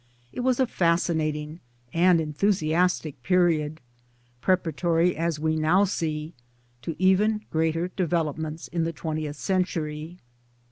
It was a fascinating and enthusiastic period pre paratory, as we now see, to even greater develop ments in the twentieth century.